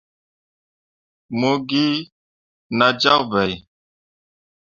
Mo gi nah jyak bai.